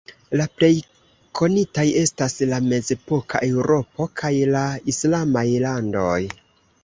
La plej konitaj estas la mezepoka Eŭropo, kaj la islamaj landoj.